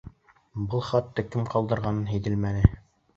Был хатты кем ҡалдырғанын һиҙемләнем.